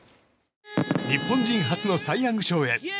日本人初のサイ・ヤング賞へ。